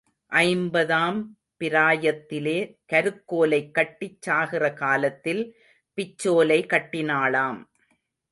ஐம்பதாம் பிராயத்திலே கருக்கோலை கட்டிச் சாகிற காலத்தில் பிச்சோலை கட்டினாளாம்.